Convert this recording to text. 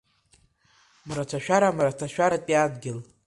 Мраҭашәара, Мраҭашәаратәи адгьыл.